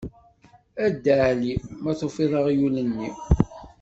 A Dda Ɛli! ma tufiḍ aɣyul-nni?